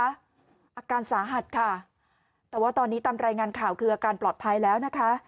อาการสาหัสค่ะแต่ว่าตอนนี้ตามรายงานข่าวคืออาการปลอดภัยแล้วนะคะ